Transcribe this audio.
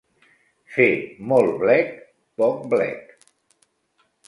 Fer molt blec, poc blec.